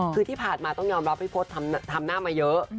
คือที่ผ่านมาต้องยอมรับพี่พศทำหน้ามาเยอะ